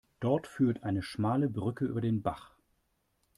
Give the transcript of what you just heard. Dort führt eine schmale Brücke über den Bach.